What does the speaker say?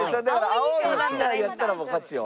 青以内やったらもう勝ちよ。